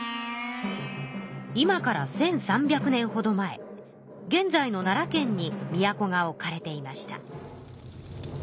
今から１，３００年ほど前現在の奈良県に都が置かれていました。